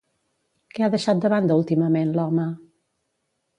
Què ha deixat de banda últimament l'home?